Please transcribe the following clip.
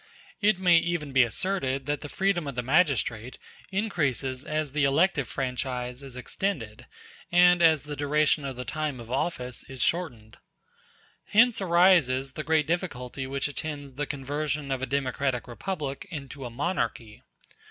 It may even be asserted that the freedom of the magistrate increases as the elective franchise is extended, and as the duration of the time of office is shortened. Hence arises the great difficulty which attends the conversion of a democratic republic into a monarchy.